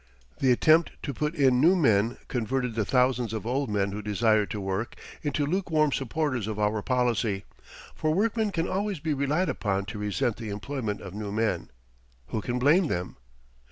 The attempt to put in new men converted the thousands of old men who desired to work, into lukewarm supporters of our policy, for workmen can always be relied upon to resent the employment of new men. Who can blame them?